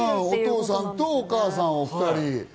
お父さんとお母さんを２人。